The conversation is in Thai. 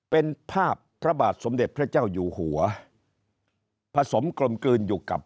เป็นภาพพระบาทสมเด็จพระเจ้าอยู่หัวผสมกลมกลืนอยู่กับ